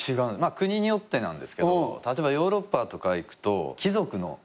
国によってなんですけど例えばヨーロッパとか行くと貴族の。